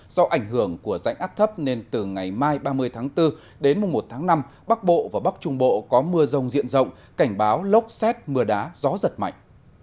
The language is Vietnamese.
do ảnh hưởng của rãnh áp thấp nên từ ngày mai ba mươi tháng bốn đến mùa một tháng năm bắc bộ và bắc trung bộ có mưa rông diện rộng cảnh báo lốc xét mưa đá gió giật mạnh